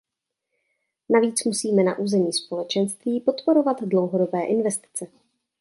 Navíc musíme na území Společenství podporovat dlouhodobé investice.